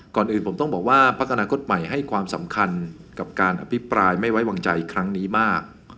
ก่อนอื่นผมต้องบอกว่าพักอนาคตใหม่ให้ความสำคัญกับการอภิปรายไม่ไว้วางใจครั้งนี้มาก